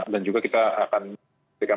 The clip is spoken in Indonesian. dan juga kita akan